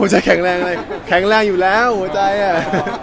หัวใจแข็งแรงอะไรแข็งแรงอยู่แล้วหัวใจอะ